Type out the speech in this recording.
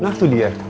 nah tuh dia